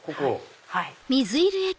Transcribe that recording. はい。